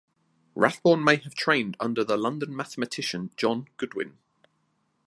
Rathborne may have trained under the London mathematician John Goodwyn.